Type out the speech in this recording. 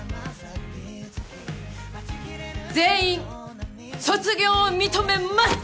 全員卒業を認めます！